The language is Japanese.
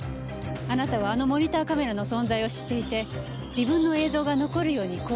あなたはあのモニターカメラの存在を知っていて自分の映像が残るように行動したのね？